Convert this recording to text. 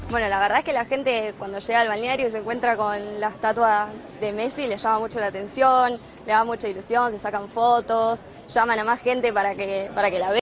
ketika orang datang ke balneario dan bertemu dengan patung messi mereka sangat menarik menarik mereka menemukan foto mereka menemukan orang lain untuk melihatnya